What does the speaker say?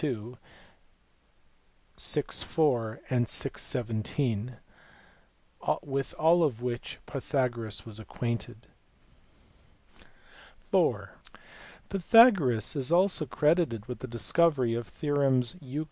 2, vi. 4, and vi. 17, with all of which Pythagoras was acquainted. (iv) Pythagoras is also credited with the discovery of the theorems Euc.